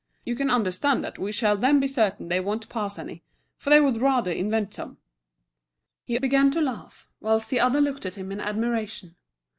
You can understand that we shall then be certain they won't pass any, for they would rather invent some." He began to laugh, whilst the other looked at him in admiration.